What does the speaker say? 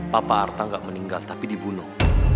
papa arta tidak meninggal tapi dibunuh